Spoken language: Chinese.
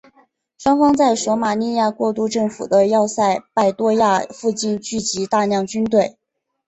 双方在索马利亚过渡政府的要塞拜多亚附近聚集大量军队。